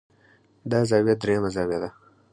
دا زاويه درېيمه زاويه ده